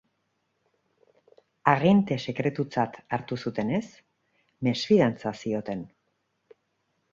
Agente sekretutzat hartu zutenez, mesfidantza zioten.